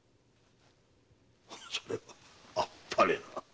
それはあっぱれ。